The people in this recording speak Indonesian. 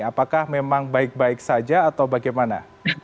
apakah memang baik baik saja atau bagaimana